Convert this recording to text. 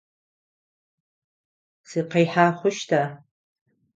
Сыкъихьэ хъущта?